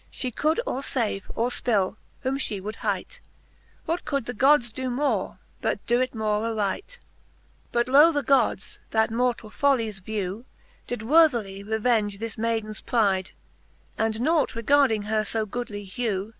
She could or fave, or fpill, whom fhe would hight. What could the Gods doe more, but doe it more aright ? XXXII. But loe the Gods, that mortall follies vew. Did worthily revenge this maydens pride ; And nought regarding her fo goodly hew.